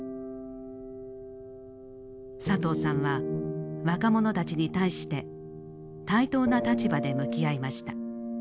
佐藤さんは若者たちに対して対等な立場で向き合いました。